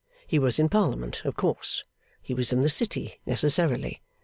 He was in Parliament, of course. He was in the City, necessarily.